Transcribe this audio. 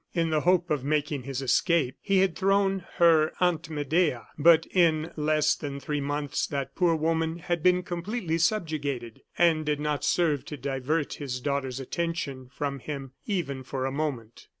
In the hope of making his escape, he had thrown her Aunt Medea; but in less than three months that poor woman had been completely subjugated, and did not serve to divert his daughter's attention from him, even for a moment.